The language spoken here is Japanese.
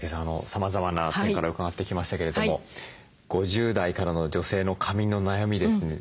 さまざまな点から伺ってきましたけれども５０代からの女性の髪の悩みですね